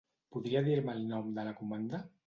Podria dir-me el nom de la comanda?